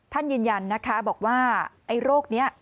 ยืนยันนะคะบอกว่าไอ้โรคนี้